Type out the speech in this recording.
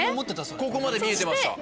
ここまで見えてました。